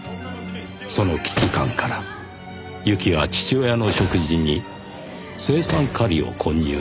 その危機感から侑希は父親の食事に青酸カリを混入したと供述。